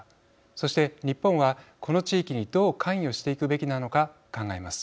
そして日本はこの地域にどう関与していくべきなのか考えます。